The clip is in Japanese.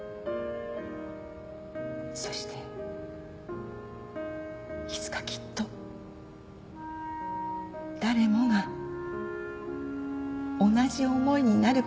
そしていつかきっと誰もが同じ思いになることができたら。